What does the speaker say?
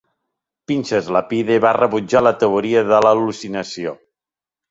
Pinchas Lapide va rebutjar la teoria de l'al·lucinació.